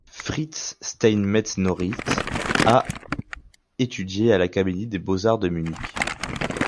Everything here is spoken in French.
Fritz Steinmetz-Noris a étudié à l'Académie des beaux-arts de Munich.